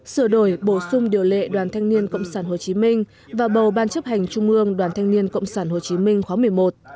sửa đổi bổ sung điều lệ đoàn thanh niên cộng sản hồ chí minh và bầu ban chấp hành trung ương đoàn thanh niên cộng sản hồ chí minh khóa một mươi một